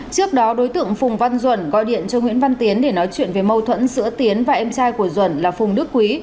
trường văn duẩn gọi điện cho nguyễn văn tiến để nói chuyện về mâu thuẫn giữa tiến và em trai của duẩn là phùng đức quý